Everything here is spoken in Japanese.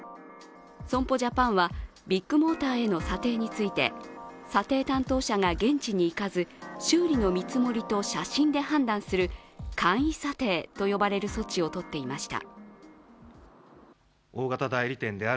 損保ジャパンはビッグモーターへの査定について、査定担当者が現地に行かず修理の見積もりと写真で判断する簡易査定と呼ばれる措置を取っていました。